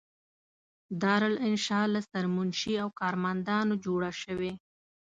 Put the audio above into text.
دارالانشأ له سرمنشي او کارمندانو جوړه شوې.